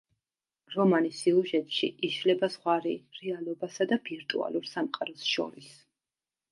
რომანის სიუჟეტში იშლება ზღვარი რეალობასა და ვირტუალურ სამყაროს შორის.